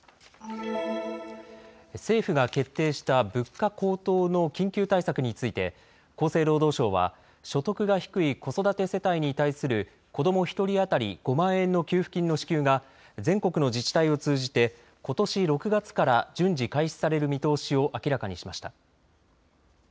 政府が決定した物価高騰の緊急対策について厚生労働省は所得が低い子育て世帯に対する子ども１人当たり５万円の給付金の支給が全国の自治体を通じてことし６月から順次、開始される見通しを明らかにしました。